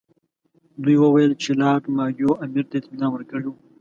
دوی وویل چې لارډ مایو امیر ته اطمینان ورکړی وو.